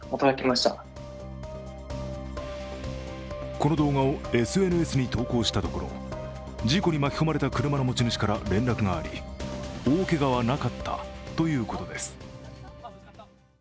この動画をＳＮＳに投稿したところ事故に巻き込まれた車の持ち主から連絡があり大けがはなかったということです。